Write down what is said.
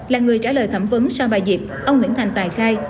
là người trả lời thẩm vấn so với bà diệp ông nguyễn thành tài khai